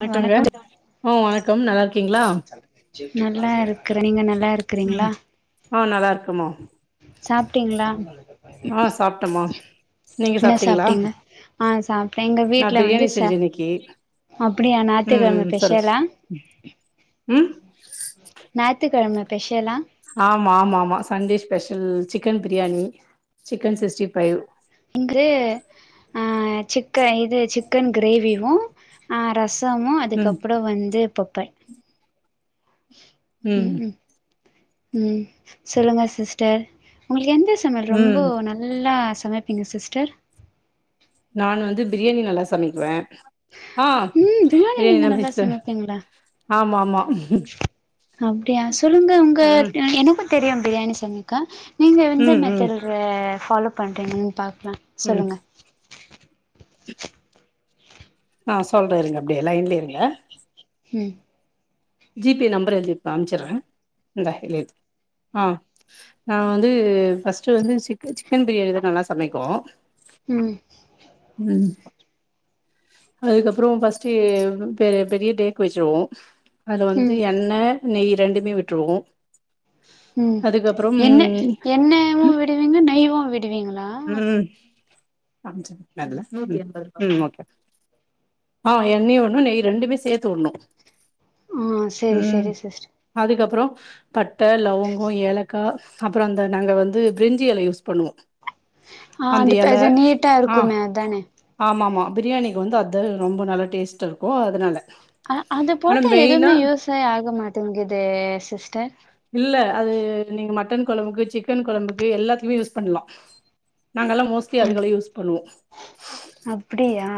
வணக்கோங்கா வணக்கம் அ வணக்கம் நல்லா இருக்கீங்களா நல்லா இருக்குறே நீங்க நல்லா இருக்கிறீங்களா ம் ஆ நல்லா இருக்கேமோ சாப்ட்டீங்களா ஆ சாப்ட்டமா நீங்க என்ன சாப்ட்டீங்களா சாப்ட்டீங்க ஆ சாப்ட்டே எங்க நா வீட்ல வந்து பிரியாணி ச செஞ்சே இன்னக்கி அப்டியா ம் ஞாயித்துக்கிழம ம் சொல்லு ஸ் பெஷலா ம் ஞாயித்துக்கெழமா ஸ்பெஷலா ஆமா ஆமா ஆமா Sunday special chicken biryani chicken sixty five இங்கு அ சிக்க இது சிக்கன் கிரேவிவோ ரஸ் ஸமு ம் அதுக்கப்பறோ வந்து பப்பட் ம் ம் ம் சொல்லுங்க சிஸ்டர் உங்குளுக்கு எந்த நம்மோ ரொம்போ ம் நல்லா சமைப்பீங்க சிஸ்டர் நானு வந்து பிரியாணி நல்லா சமைக்குவ ஆ ம் பிரியாணி நீங்க பிரியாணிதா நல்லா சிஸ்டர் சமைப்பீங்களா ஆமா ஆமா அப்டியா சொல்லுங்க உங்க ம் என்ன தெரியு பிரியாணி சமைக்க நீங்க எந்த ம் ம் மெத்தடல ஃபாலோ பண்றீங்கன்னு பாக்கலா ம் சொல்லுங்க ஆ சொல்றேயிருங்க அப்டியே லைன்லயே இருங்க ம் ஜிபே நம்பர் எழுதி இப்ப அனுபிச்சரே இந்தா இதுல எழுது ஆ நா வந்து ஃபிரஸ்ட் வந்து சிக் சிக்கன் பிரியாணி தான் நல்லா சமைக்கு ம் ம் அதுக்கப்புறோ ஃபிரஸ்ட்டே பெ பெரிய டேக் வச்சிருவோம் அது வந்து ம் எண்ணெ நெய் இரண்டுமே விட்டுருவோ ம் எண்ணெ எண்ணெவு விடுவீங்க நெய்வு விடுவீங்களா ம் ம் ஓகே ஆ எண்ணெய்யு உடனு நெய் ரெண்டுமே சேத்து உடனு ம் செரி செரி சிஸ்டர் அதுக்கப்புறோ பட்ட லவுங்கோ ஏலக்கா அப்புறோ அந்த நாங்க வந்து பிரெஞ்சி எலைய யூஸ் பண்ணுவோம் ஆ அந்த பெர்சா நீட்டா இருக்குமே அதானே ஆமா ஆமாம் பிரியாணிக்கு வந்து அத்து ரொம்ப நல்லா டேஸ்ட் இருக்கு அதனால அ அத ஆனா போட்டா மெயினா எதுவுமே யூஸே ஆக மாட்டேங்குதே சிஸ்டர் இல்ல அது நீங்க மட்டன் குழம்புக்கு சிக்கன் குழம்புக்கு எல்லாத்துமே யூஸ் பண்ணலாம் நாங்க எல்லா மோஸ்ட்லி ம் அதுக்கலா யூஸ் பண்ணுவோம் அப்டியா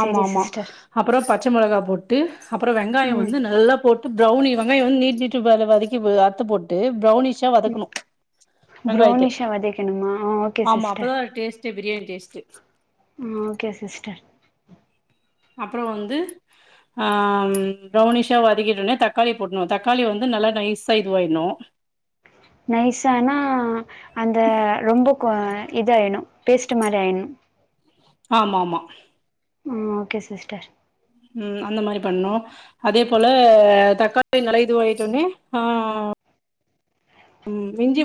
ஆமா ஆமா சிஸ்டர் அப்புறோ பச்ச மிளகா போட்டு அப்புறோ வெங்காயம் ம் வந்து நல்லா போட் ட்டு பிரௌனி வெங்காய வந்து நீட் நீட் பா ல வதக்கி அறுத்து போட்டு ட்டு ப்ரௌனிஸ்ஸா ம் வதக்கனு வெங்காயத்த ப்ரௌனிஷா வதக்கணுமா ஆ ஓகே ஆமா சிஸ்டர் அப்பதா டேஸ் ட்டு பிரியாணி டேஸ்ட்டு ம் ஓகே சிஸ்டர் அப்புறோ வந்து ஆ பிரரௌனிஷா வதக்கிட்டுனே தக்காளி போடணு தக்காளி வந்து நல்லா நைஸா இதுவாயிடணு நைஸனா அந்த ரொம்ப கொ இத ஆயிடனும் பேஸ்ட்டு மாதிரி ஆயிடனு ஆமா ஆமா ம் ஓகே சிஸ்டர் ம் அந்த மாரி பண்ணும் அதே போல தக்காளி நல்லா இதுவாய்ட்டுடனே ஆ ம் இஞ்சி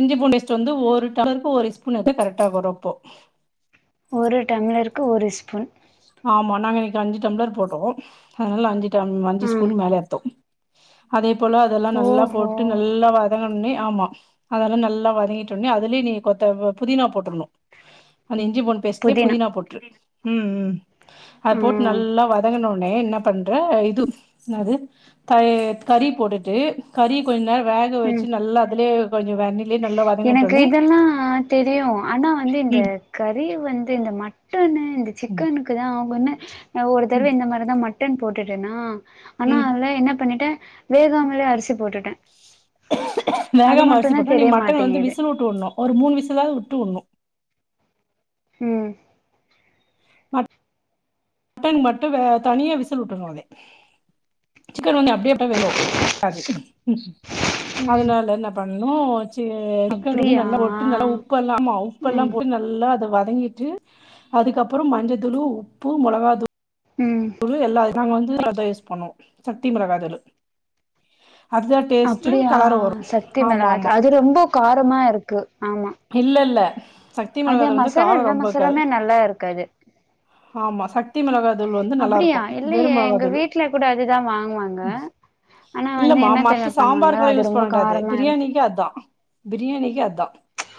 இஞ்சி பூண்டு பேஸ்ட் வந்து ஒரு டம்ளர்க்கு ஒரு ஸ்பூன் எடுத்தா கரெக்டா வரும் அப்போ ஒரு டம்ளருக்கு ஒரு ஸ்பூன் ஆமா நாங்க இன்னைக்கு அஞ்சு டம்ளர் போடுவோம் அதனால அஞ்சு டம் அஞ்சு ஆ ஸ்பூன் மேலே ஏடுத்தோம் அதே போல அதெல்லா நல்லா ஓஹோ போட்டு நல்லா வதங்கன்னே ஆமா அதெல்லா நல்லா வதங்கிட்டு உடனே அதுலயே நீ கொத்த புதினா போட்டுடணும் அந்த இஞ்சி பூண்டு பேஸ்ட்லயே புதினா போட்ரு ம் ம் அத போட்டு ம் நல்லா வதங்கண உட னே என்ன பண்ற இது என்னது த கறி போட்டுட்டு கறி கொஞ்ச நேரம் வேக ம் வச்சு நல்லா அதுலயே கொஞ்ச வணக் எனக்கு இதெல்லா தெரியு ஆனா வந்து இந்த ம் கறி வந்து இந்த மட்டன்னு இந்த ம் சிக்கனுக்கு தா அவங்கன்னு ஒரு தடவ ம் இந்த மாரி அதா மட்டன் போட்டுட்டேன்னா ஆனா ம் அதுல என்ன பண்ணிட்டே வேகாமலயே அரிசி போட்டுட்டே அது வேகாம அரிசி மட்டு்தா போட்டா நீ மட்டன வந்து விசில்வுட்டு உட்ணு ஒரு மூணு விசிலாவுது உட்டு உட்ணு ம் மட்டன் மட்டு வே தனியா விசில் உட்டுணு அத சிக்கன் வந்து அப்டியே உட்டா வெந்ரு அது ம் அதனால இன்ன பண்ணோ டு சிக்கன் வந்து அப்டியா நல்லா ஒட்டு நல்லா உப்பல்லா ஆமா உப்பல்லா ம் போட்டு நல் நல்ல அத வதங்கிட்டு அதுகப்றோ மஞ்சத்தூளு உப்பு மொளகாதூ ம் தூளு எல்லா நாங்க வந்து அத்தா யூஸ் பண்ணுவோ சக்தி மிளகதூளு அத அப்டியா சக்தி மிளகாய்த்தூள் அது ரொம்போ காரமா இருக்கு ஆமா இல்ல இல்ல சக்தி அது மொளகாதூள் வந்து மசாலா காரோ எல்லா ரொம்ப இக்காது மசாலாமே நல்லா இருக்கு அது ஆமா சத்தி மிளகாதூள் வந்து நல்லாருக்கு அப்டியா வெரு இல்லையே எங்க மிளகாதூளு வீட்ல கூட அதுதா வாங்குவாங்க ஆனா வந்து இல்லமா என்ன மத்த தெரிமா பண்ணுவாங்க சாம்பார்கல்லா அது யூஸ் ரொம்ப பண்டாது காரமா இருக்கு பிரியாணிக்கு அத்தா பிரியாணிக்கு அத்தா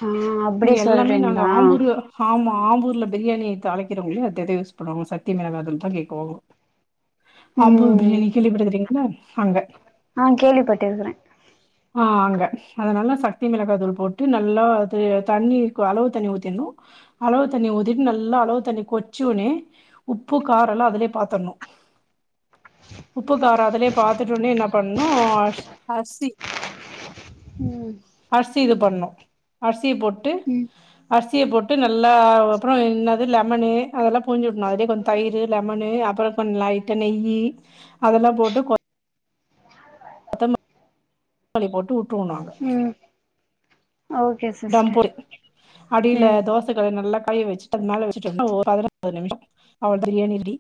ஆ அப்டி சொல்றீங்களா ஆம்பூர் ஆமா ஆம்பூர்ல பிரியாணி தாளிக்கறோங்ளே அதது யூஸ் பண்ணுவாங்க சத்தி மிளகாதூள்தா கேக்குவாங்க ஆம்பூர் ம் பிரியாணி கேள்விபட்றீங்களா அங்க ஆ கேள்விபட்டிருக்கற ஆ அங்க அதனால சத்தி மிளகாதூள் போட்டு நல்லா அது தண்ணிக்கு அளவு தண்ணி ஊத்திணு அளவு தண்ணி உதிட்டு நல்லா அளவு தண்ணி கொச்சுண்ணே உப்பு காரல்லா அதுலே பாத்தரனு உப்புக்காரோ அதுலே பாத்துட்டோனே என்ன பண்ணோ அர் அர்சி ம் அர்சி இது பண்ணு அர்சிய போட்டு ம் அரிசிய போட்டு நல்லா அப்றோ என்னது லெமனு அதெல்லா புள்ஞ்சிவுட்ணு அதே கொஞ் தயிரு லெமனு அப்பறோ பண்லா லைட்டா நெய்யி அதலா போட்டு கொ கொத்தம க்காளி போட்டு உட்ருவோனாங்க ஓ டம் போடு அடில தோச சகல் நல்லா கழிவெச்சிட்டு அது மேல வெச்சுட்டோம்னா ஒரு பத [unintelligible] போது நிம்ஷோ அவள்தா பிரியாணி ரெடி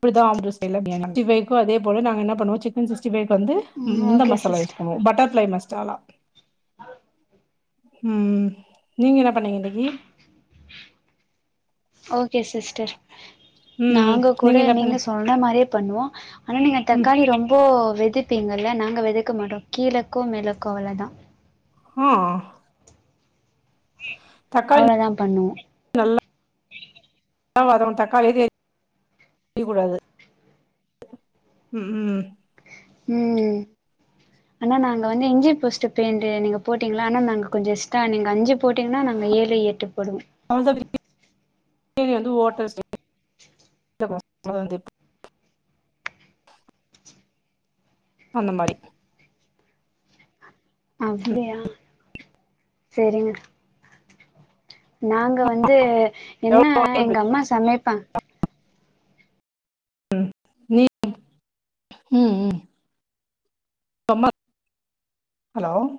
இப்டிதா ஆம்பூர் ஸ்டைல்ல பிரியாணி அட்டிபைக்கு அதே போல நாங்க என்ன பண்ணுவோ சிக்கன் சிக்ஸ்டி ஃபைவுக்கு வந்து ம் இந்த ஓகே மசாலா யூஸ் சிஸ்டர் பண்ணுவோ பட்டர் ஃப்ளை மசாலா ம் நீங்க என்ன பண்ணீங்க இன்னிக்கி ஓகே சிஸ்டர் ம் நாங்க கூட என்ன நீங்க பண்ணி சொன்ன மாரியே பண்ணுவோ ஆனா நீங்க ம் தக்காளி ரொம்போ வெதுகிங்கல்ல நாங்க வெதுக்க மாட்டோ கீழக்கோ மேலக்கோ அவளதா ஹா தக்காளி அவளதா பண்ணுவோ நல்லா நல்லா வதங்னோ தக்காளி இத செய்யக்கூடாது ம் ம் ம் ஆனா நாங்க வந்து இஞ்சி போஸ்ட்டு பேண்டு நீங்க போட்டீங்களா ஆனா நாங்க கொஞ்சோ இஷ்ட நீங்க அஞ்சு போட்டிங்கன்னா நாங் ஏழு எட்டு போடுவோ [unintelligible] வந்து ஓட்டல் ஸ்டே [unintelligible] ஒம்பதாந்தேதி அந்த மாரி ம் அப்டியா செரிங்க நாங்க வந்து என்ன எவ்ளோ எங்கம்மா சமைப்பாங் ம் நீ ம் ம் ஹலோ